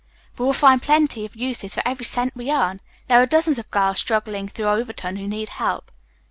We will find plenty of uses for every cent we can earn. There are dozens of girls struggling through Overton who need help."